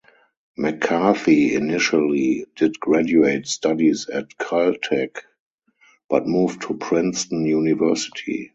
McCarthy initially did graduate studies at Caltech, but moved to Princeton University.